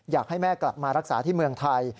อยากให้แม่กลับมารักษาที่เมืองไทย